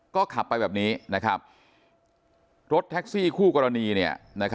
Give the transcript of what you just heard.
ก็ขับไปแบบนี้นะครับรถแท็กซี่คู่กรณี